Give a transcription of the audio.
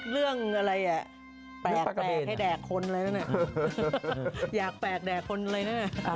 อยากให้แดกคนเลยน่ะอยากแปลกแดกคนเลยน่ะ